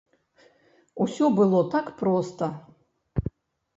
Усё было так проста.